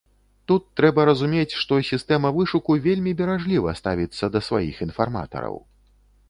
Тут трэба разумець, што сістэма вышуку вельмі беражліва ставіцца да сваіх інфарматараў.